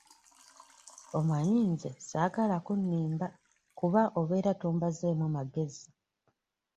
Omanyi nze saagala kunnimba kuba obeera tombazeemu magezi.